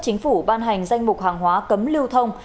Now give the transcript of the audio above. chính phủ ban hành danh mục hàng hóa cấm lưu thông